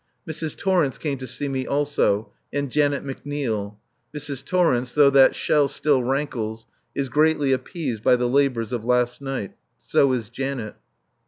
Mrs. Torrence came to see me also, and Janet McNeil. Mrs. Torrence, though that shell still rankles, is greatly appeased by the labours of last night. So is Janet.